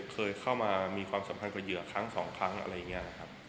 เคยเข้ามามีความสำคัญกับเหยื่อครั้งสองครั้งอะไรเงี้ยนะครับ